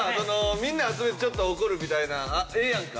みんな集めてちょっと怒るみたいなええやんか。